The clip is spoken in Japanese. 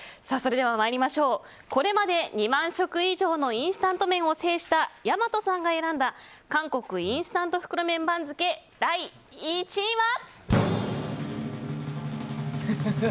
これまで２万食以上のインスタント麺を制した大和さんが選んだ韓国インスタント袋麺番付第１位は。